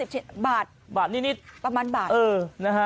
๕๐ชิ้นบาทนิดประมาณบาท